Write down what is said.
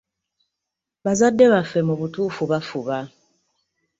Bazadde baffe mu butuufu bafuba.